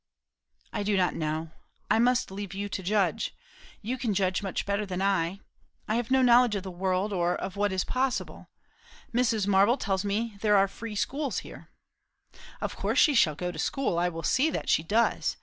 "I do not know. I must leave you to judge. You can judge much better than I. I have no knowledge of the world, or of what is possible. Mrs. Marble tells me there are free schools here " "Of course she shall go to school. I will see that she does.